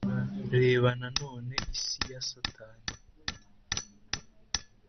Reba nanone Isi ya Satani